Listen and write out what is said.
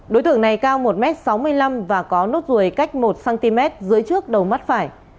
đối tượng này cao một m sáu mươi năm và có nốt ruồi cách một cm dưới trước đầu mắt phải